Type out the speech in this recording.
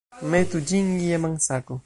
Metu ĝin je mansako.